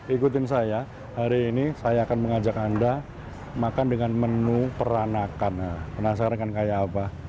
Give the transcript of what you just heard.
ikutin saya hari ini saya akan mengajak anda makan dengan menu peranakan penasaran kayak apa